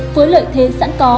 với lợi thế sẵn có